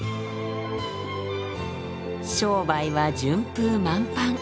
商売は順風満帆。